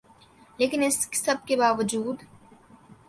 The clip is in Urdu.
لیکن اس سب کے باوجود